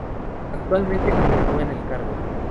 Actualmente, continúa en el cargo.